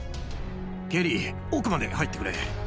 ケリー奥まで入ってくれ。